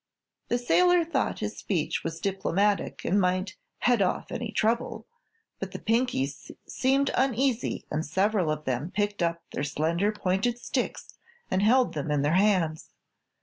The sailor thought this speech was diplomatic and might "head off any trouble," but the Pinkies seemed uneasy and several of them picked up their slender, pointed sticks and held them in their hands.